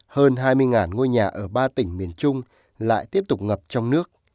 hơn hai mươi ngôi nhà ở ba tỉnh miền trung lại tiếp tục ngập trong nước